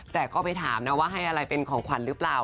แต่ก็ไปถามนะว่าให้อะไรเป็นของขวัญหรือเปล่า